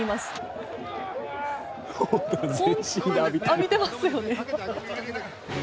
浴びてますよね。